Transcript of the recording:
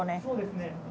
そうですね。